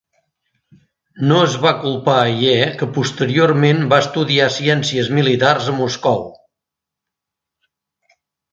No es va culpar a Ye, que posteriorment va estudiar ciències militars a Moscou.